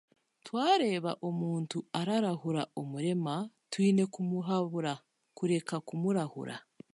Twareeba omuntu ararahura omurema twine kumuhabura kureka kumurahura